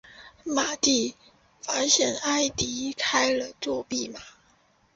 马蒂发现埃迪开了作弊码。